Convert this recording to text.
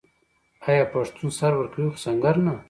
آیا پښتون سر ورکوي خو سنګر نه؟